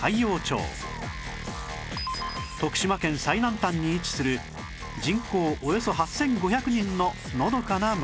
徳島県最南端に位置する人口およそ８５００人ののどかな町